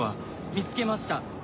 見つけました。